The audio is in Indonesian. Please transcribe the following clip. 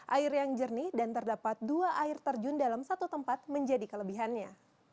air yang jernih dan terdapat dua air terjun dalam satu tempat menjadi kelebihannya